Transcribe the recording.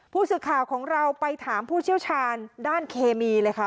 ผู้สื่อข่าวของเราไปถามผู้เชี่ยวชาญด้านเคมีเลยค่ะ